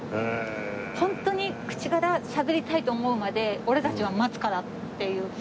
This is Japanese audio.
ホントに口からしゃべりたいと思うまで俺たちは待つからっていう。